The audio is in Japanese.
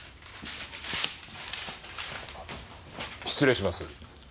失礼します。